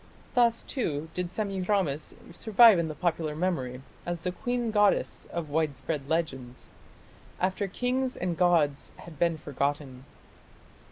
Thus, too, did Semiramis survive in the popular memory, as the queen goddess of widespread legends, after kings and gods had been forgotten.